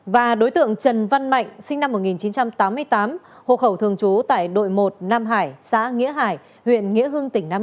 và đối tượng trần văn mạnh sinh năm một nghìn chín trăm tám mươi tám hộ khẩu thường trú tại đội một năm h